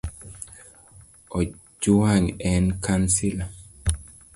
Ojwang en kansila.